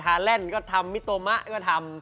แลนด์ก็ทำมิโตมะก็ทำ